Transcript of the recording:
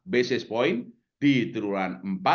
basis point di turunan empat